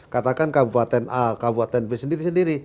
katakan kabupaten a kabupaten b sendiri sendiri